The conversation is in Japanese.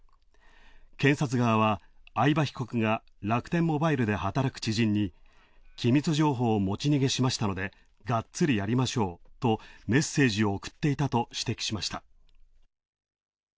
警察側は合場被告が楽天モバイルで働く知人に、機密情報を持ち逃げしたのでがっつりやりましょうと、メッセージを送っていたと指摘しました。